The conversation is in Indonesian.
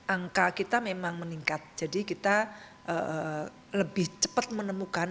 angka kita memang meningkat jadi kita lebih cepat menemukan